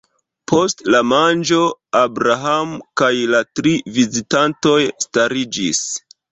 Post la manĝo, Abraham kaj la tri vizitantoj stariĝis.